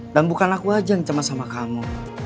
dan bukan aku aja yang cemas sama kamu